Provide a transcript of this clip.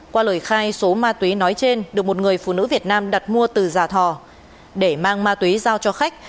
qua lời khai số ma túy nói trên được một người phụ nữ việt nam đặt mua từ giả thò để mang ma túy giao cho khách